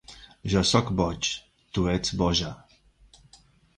Jo sóc boig. Tu ets boja.